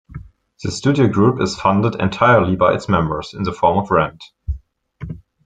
The studio group is funded entirely by its members, in the form of rent.